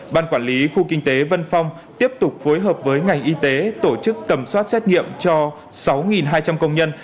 ban quản lý khu kinh tế vân phong tiếp tục phối hợp với ngành y tế tổ chức tẩm soát xét nghiệm cho sáu hai trăm linh công nhân